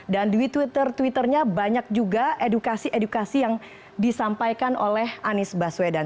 dan di twitter twitternya banyak juga edukasi edukasi yang disampaikan oleh anis baswedan